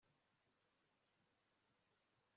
tuzashakisha igitangaza dukora